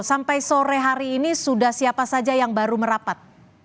sampai sore hari ini sudah siapa saja yang baru merapat